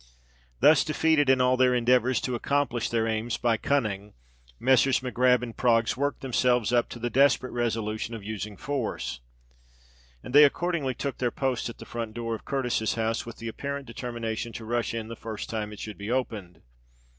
Thus, defeated in all their endeavours to accomplish their aims by cunning, Messrs. Mac Grab and Proggs worked themselves up to the desperate resolution of using force; and they accordingly took their post at the front door of Curtis's house, with the apparent determination to rush in the first time it should be opened.